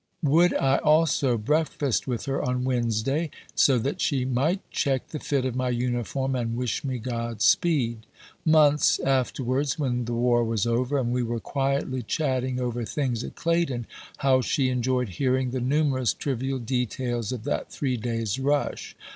Would I also breakfast with her on Wednesday, so that she "might check the fit of my uniform, and wish me God speed." Months afterwards, when the war was over, and we were quietly chatting over things at Claydon, how she enjoyed hearing the numerous trivial details of that three days' rush!